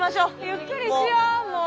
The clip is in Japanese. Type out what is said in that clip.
ゆっくりしよもう。